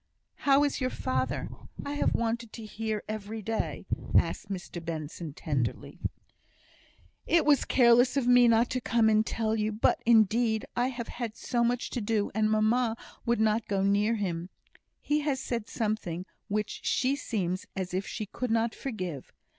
"How is your father? I have wanted to hear every day," asked Mr Benson, tenderly. "It was careless of me not to come and tell you; but, indeed, I have had so much to do. Mamma would not go near him. He has said something which she seems as if she could not forgive.